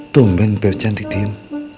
tumben beb cantik diem